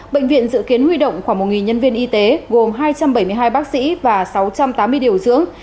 bệnh viện dự kiến huy động khoảng một nhân viên y tế gồm hai trăm bảy mươi hai bác sĩ và sáu trăm tám mươi điều dưỡng